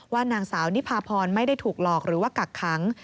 นางสาวนิพาพรไม่ได้ถูกหลอกหรือว่ากักขัง